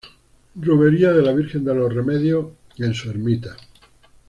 Romería de la Virgen de los Remedios, en su ermita.